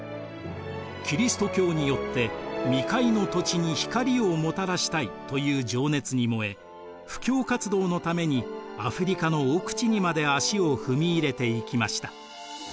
キリスト教によって未開の土地に光をもたらしたいという情熱に燃え布教活動のためにアフリカの奥地にまで足を踏み入れていきました。